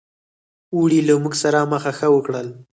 اوړي له موږ سره مخه ښه وکړل.